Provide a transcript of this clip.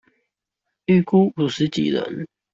預估五十幾人